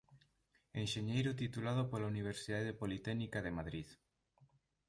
Enxeñeiro titulado pola Universidade Politécnica de Madrid.